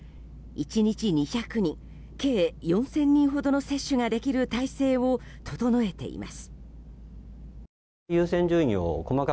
１日２００人計４０００人ほどの接種ができる体制を整えています。